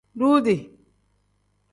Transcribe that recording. Duudi.